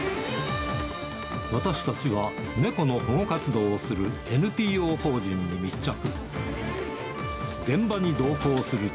私たちは、猫の保護活動をするＮＰＯ法人に密着。